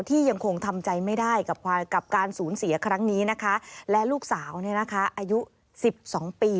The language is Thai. ที่ยังคงทำใจไม่ได้กับการสูญเสียครั้งนี้นะคะและลูกสาวอายุ๑๒ปี